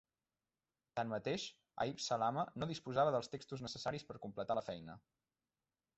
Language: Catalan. Tanmateix, a Ibn Salama no disposava dels textos necessaris per completar la feina.